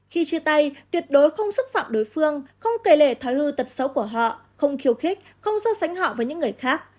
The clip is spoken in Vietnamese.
khi chia tay tuyệt đối không xúc phạm đối phương không kề lệ thói hư tật xấu của họ không khiêu khích không so sánh họ với những người khác